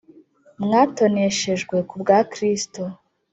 mwatoneshejwe ku bwa Kristo.